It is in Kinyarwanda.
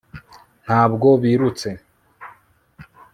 ntabwo birutse